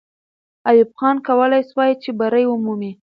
ایوب خان کولای سوای چې بری ومومي.